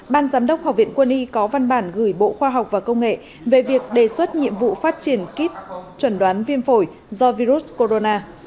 ban giám đốc học viện quân y có văn bản gửi bộ khoa học và công nghệ về việc đề xuất nhiệm vụ phát triển kít chuẩn đoán viêm phổi do virus corona